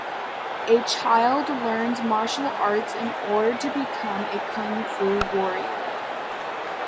A child learns martial arts in order to become a Kung Fu warrior.